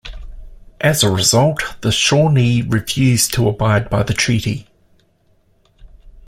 As a result, the Shawnee refused to abide by the treaty.